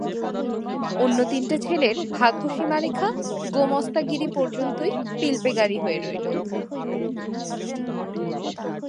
অন্য তিনটে ছেলের ভাগ্যসীমারেখা গোমস্তাগিরি পর্যন্তই পিলপে-গাড়ি হয়ে রইল।